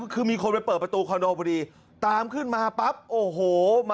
คือมีคนไปเปิดประตูคอนโดพอดีตามขึ้นมาปั๊บโอ้โห